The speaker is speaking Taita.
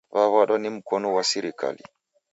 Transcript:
W'aw'adwa ni mkonu ghwa sirikali